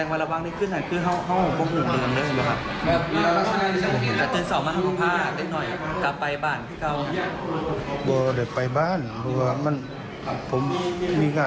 มันคือว่าท่านไม่ได้ลากเลยมาเขาไปมา